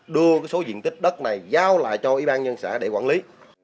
đưa cái số diện tích đất này giao lại cho y ban nhân xã để quản lý